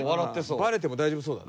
バレても大丈夫そうだね。